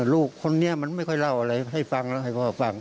ลูกคนนี้มันไม่ค่อยเล่าอะไรให้ฟังแล้วให้พ่อฟัง